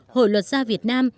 hội luật gia việt nam